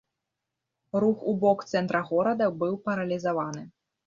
Рух у бок цэнтра горада быў паралізаваны.